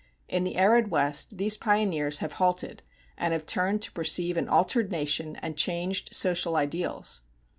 In the arid West these pioneers have halted and have turned to perceive an altered nation and changed social ideals.